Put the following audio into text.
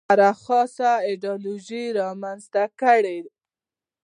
هرې خاصه ایدیالوژي رامنځته کړې.